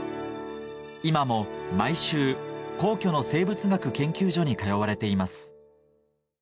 今も毎週皇居の生物学研究所に通われています